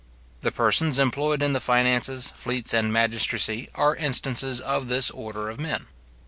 The persons employed in the finances, fleets, and magistracy, are instances of this order of men.